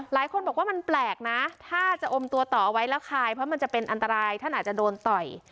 หลายคนบอกว่ามันแปลกนะถ้าจะอมตัวต่อเอาไว้แล้วคายเพราะมันจะเป็นอันตรายท่านอาจจะโดนต่อย